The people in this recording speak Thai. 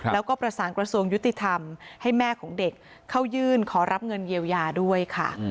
แล้วก็ประสานกระทรวงยุติธรรมให้แม่ของเด็กเข้ายื่นขอรับเงินเยียวยาด้วยค่ะ